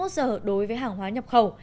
bốn mươi một giờ đối với hàng hóa nhập khẩu